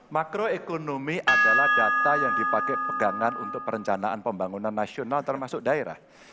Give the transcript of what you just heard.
makroekonomi adalah data yang dipakai pegangan untuk perencanaan pembangunan nasional termasuk daerah